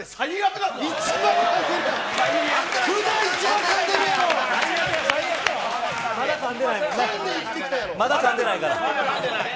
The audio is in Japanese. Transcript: まだかんでない。